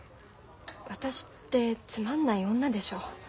私ってつまんない女でしょ？